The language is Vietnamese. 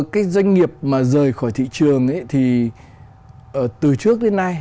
cái doanh nghiệp mà rời khỏi thị trường thì từ trước đến nay